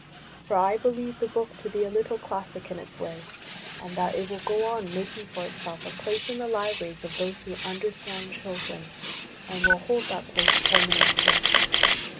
For I believe the book to be a little classic in its way, and that it will go on making for itself a place in the libraries of those who understand children, and will hold that place permanently.